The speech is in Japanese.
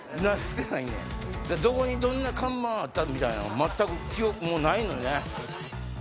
どこにどんな看板あったみたいな全く記憶ないのよね。